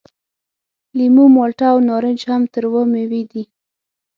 لیمو، مالټه او نارنج هم تروه میوې دي.